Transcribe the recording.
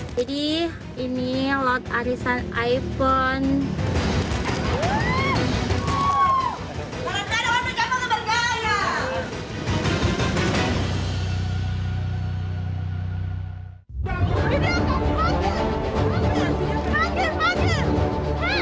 jadi ini lot arisan iphone